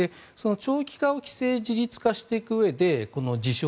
長期化を既成事実化していくうえで自称